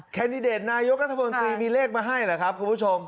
แดดิเดตนายกรัฐมนตรีมีเลขมาให้เหรอครับคุณผู้ชม